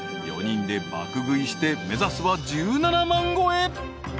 ［４人で爆食いして目指すは１７万超え］